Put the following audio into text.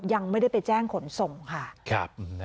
ยังไม่ได้ไปแจ้งขนส่งค่ะ